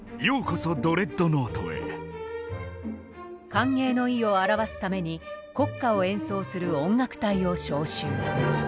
歓迎の意を表すために国歌を演奏する音楽隊を招集。